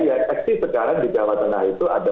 yang eksis sekarang di jawa tengah itu ada